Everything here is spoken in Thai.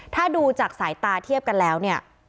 ถ้าดูจากสายตาเทียบกันแล้วเนี่ย